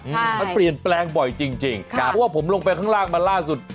อืมมันเปลี่ยนแปลงบ่อยจริงจริงครับเพราะว่าผมลงไปข้างล่างมาล่าสุด